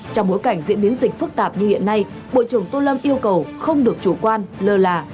trong bối cảnh diễn biến dịch phức tạp như hiện nay bộ trưởng tô lâm yêu cầu không được chủ quan lơ là